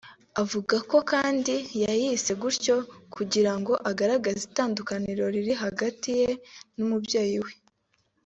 avuga ko kandi yayise gutyo kugira ngo agaragaze itandukaniro riri hagati ye n’umubyeyi we